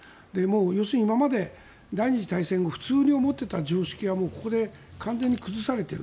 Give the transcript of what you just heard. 要するに今まで第２次大戦後普通に思っていた常識がもうここで完全に崩されている。